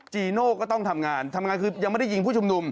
จีโน่ก็ต้องทำงานทำงานคือยังไม่ได้ยิงผู้ชุมนุม